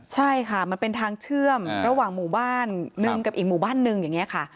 ใช่ค่ะมันเป็นทางเชื่อมระหว่างหมู่บ้านหนึ่งกับอีกหมู่บ้านนึงอย่างนี้ค่ะ